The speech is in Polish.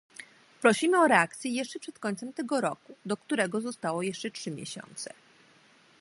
Prosimy o reakcję jeszcze przed końcem tego roku, do którego zostało jeszcze trzy miesiące